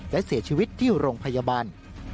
และเสียชีวิตที่โรงพยาบาล